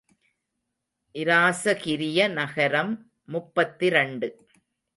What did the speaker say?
இராசகிரிய நகரம் முப்பத்திரண்டு.